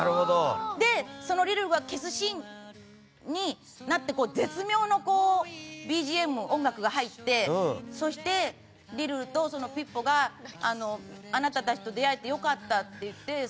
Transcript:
そのリルルが消すシーンになって絶妙なＢＧＭ音楽が入ってそして、リルルとピッポが「あなたたちと出会えて良かった」って言って。